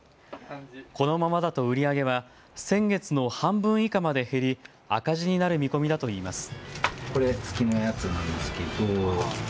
このままだと売り上げは先月の半分以下まで減り赤字になる見込みだといいます。